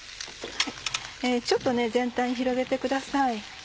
ちょっと全体に広げてください。